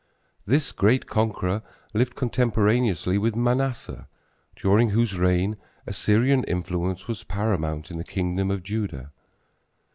This great conqueror lived contemporaneously with Manasseh during whose reign Assyrian influence was paramount in the kingdom of Judah.